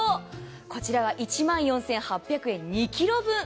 こちらは１万４８００円、２ｋｇ分。